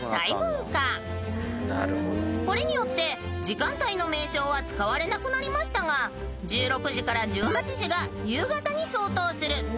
［これによって時間帯の名称は使われなくなりましたが１６時から１８時が夕方に相当するとのことです］